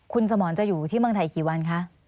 คุณสมรจะอยู่ที่เมืองไทยกี่วันคะ